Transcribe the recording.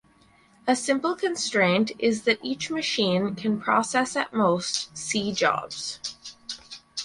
A simple constraint is that each machine can process at most "c" jobs.